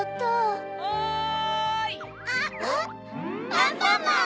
アンパンマン！